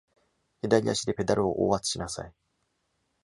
左足でペダルを押圧しなさい。